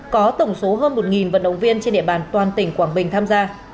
có tổng số hơn một vận động viên trên địa bàn toàn tỉnh quảng bình tham gia